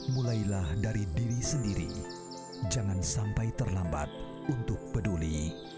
mulailah dari diri sendiri jangan sampai terlambat untuk peduli